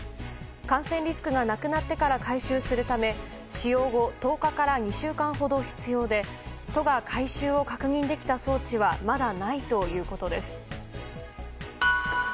感染リスクがなくなってから回収するため使用後１０日から２週間ほど必要で都が回収を確認できた装置はまだないということです。